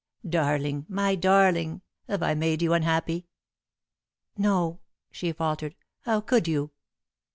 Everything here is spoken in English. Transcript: "Darling! My darling! Have I made you unhappy?" "No," she faltered. "How could you?"